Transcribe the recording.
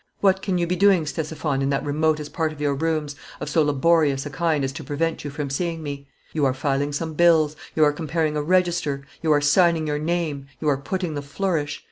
What can you be doing, Ctesiphon, in that remotest part of your rooms, of so laborious a kind as to prevent you from seeing me? You are filing some bills, you are comparing a register; you are signing your name, you are putting the flourish.